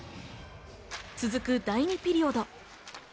続く第２ピリオド。